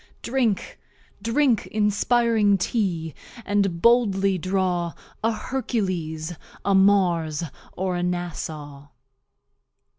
Drink, drink Inspiring TEA, and boldly draw A Hercules, a Mars, or a NASSAU.